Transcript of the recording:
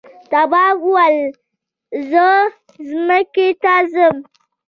تواب وویل زه ځمکې ته ځم.